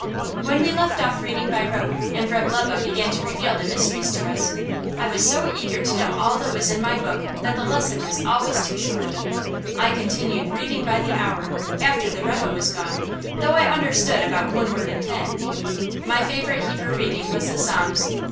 When we left off reading by rote and Reb' Lebe began to reveal the mysteries to us, I was so eager to know all that was in my book that the lesson was always too short. I continued reading by the hour, after the rebbe was gone, though I understood about one word in ten. My favorite Hebrew reading was the Psalms.